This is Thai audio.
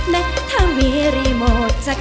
และถ้ามีรายโมท